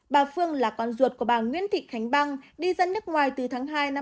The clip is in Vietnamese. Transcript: bà phương là con ruột của bà nguyễn thị khánh băng đi dân nước ngoài từ tháng hai năm hai nghìn ba